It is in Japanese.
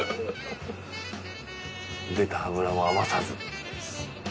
出た脂も余さず。